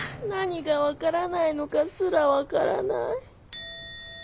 何が分からないのかすら分からない。